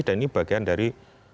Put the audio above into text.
dan ini bagian dari